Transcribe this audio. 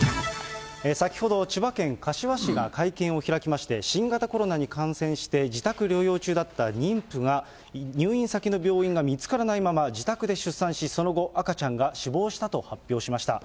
先ほど千葉県柏市が会見を開きまして、新型コロナに感染して自宅療養中だった妊婦が入院先の病院が見つからないまま自宅で出産し、その後、赤ちゃんが死亡したと発表しました。